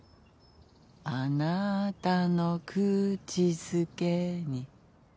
「あなたのくちづけに」